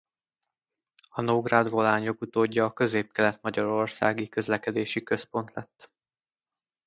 A Nógrád Volán jogutódja a Középkelet-magyarországi Közlekedési Központ lett.